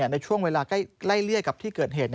ในช่วงเวลาใกล้เลี่ยกับที่เกิดเหตุ